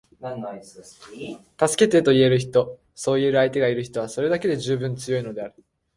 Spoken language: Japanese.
「助けて」と言える人，そう言える相手がいる人は，それだけで十分強いのである．